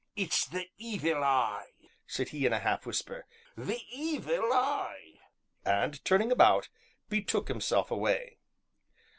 "It's the 'Evil Eye,'" said he in a half whisper, "the 'Evil Eye'!" and, turning about, betook himself away.